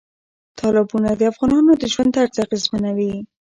تالابونه د افغانانو د ژوند طرز اغېزمنوي.